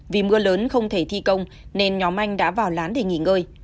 vì mưa lớn không thể thi công nên nhóm anh đã vào lán để nghỉ ngơi